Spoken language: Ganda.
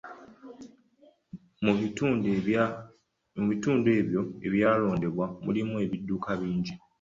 Mu bitundu ebyo ebyalondebwa mulimu ebidduka bingi.